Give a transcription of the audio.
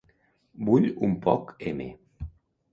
Vull un poc m